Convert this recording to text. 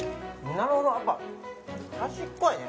なるほどやっぱ端っこやね